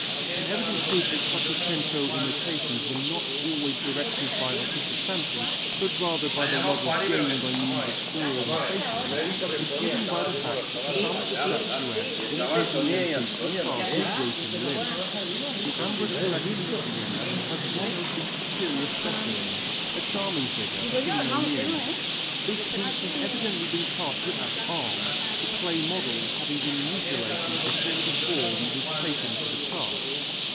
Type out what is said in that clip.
An evident proof that Quattrocento imitations were not always directed by artistic fancy, but rather by the love of gain by means of fraud and fakery, is given by the fact that some of the statuettes imitating the antique were cast with broken limbs. The Ambras collection of Vienna has one of these curious specimens a charming figure, a female nude. This piece has evidently been cast without arms, the clay model having been mutilated before the form was taken for the cast.